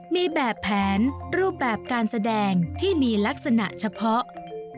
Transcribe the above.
มีแบบแผนรูปแบบการแสดงที่มีลักษณะเฉพาะ